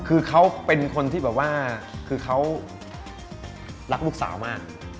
คือเขาเป็นคนที่แบบว่าคือเขารักลูกสาวมาก